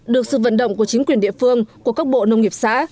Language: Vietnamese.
được sự vận động của chính quyền địa phương của các bộ nông nghiệp xã